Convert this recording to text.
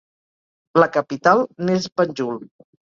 La capital n'és Banjul.